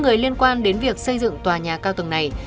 một người liên quan đến việc xây dựng tòa nhà cao tầng này